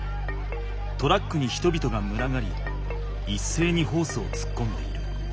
トラックに人々がむらがりいっせいにホースをつっこんでいる。